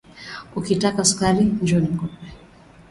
Ukitaka sukari njoo nikupee